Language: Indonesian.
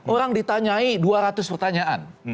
orang ditanyai dua ratus pertanyaan